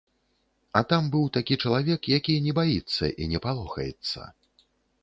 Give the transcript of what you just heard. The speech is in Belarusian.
А там быў такі чалавек, які не баіцца і не палохаецца.